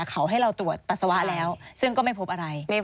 เขาให้เราตรวจปัสสาวะแล้วซึ่งก็ไม่พบอะไร